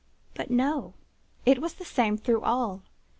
But no! it was the same through all.